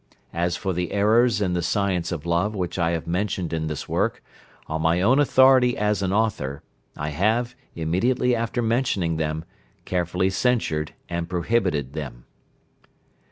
As for the errors in the science of love which I have mentioned in this work, on my own authority as an author, I have, immediately after mentioning them, carefully censured and prohibited them."